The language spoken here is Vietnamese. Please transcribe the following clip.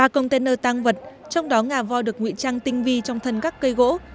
ba container tăng vật trong đó ngà voi được nguy trang tinh vi trong thân các cây gỗ